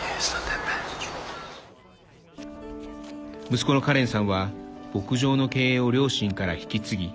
息子のカレンさんは牧場の経営を両親から引き継ぎ